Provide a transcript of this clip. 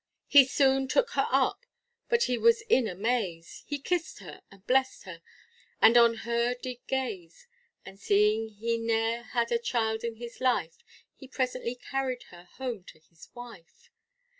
He soon took her up, but he was in amaze, He kissed her, and blessed her, and on her did gaze, And seeing he ne'er had a child in his life, He presently carried her home to his wife.